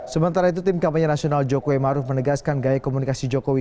sementara itu tim kampanye nasional jokowi maruf menegaskan gaya komunikasi jokowi